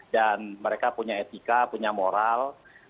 dan mereka punya etika punya moral